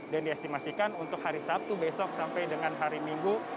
dan diestimasikan untuk hari sabtu besok sampai dengan hari minggu